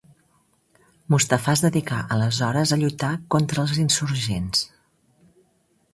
Mustafà es dedicà aleshores a lluitar contra els insurgents.